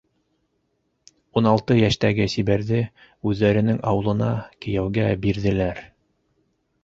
Ун алты йәштәге Сибәрҙе үҙҙәренең ауылына кейәүгә бирҙеләр.